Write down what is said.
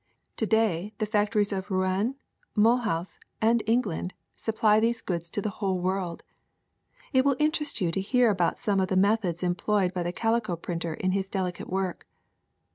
To day the factories of Rouen, Mulhouse, and England supply these goods to the whole world. It will interest you to hear about some of the methods employed by the calico printer in his delicate work.